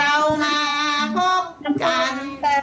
เรามาพบกัน